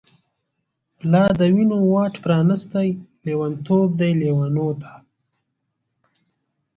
لادوینو واټ پرانستی، لیونتوب دی لیونو ته